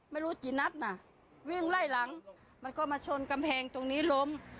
ไม่รู้กี่นัดน่ะวิ่งไล่หลังมันก็มาชนกำแพงตรงนี้ล้ม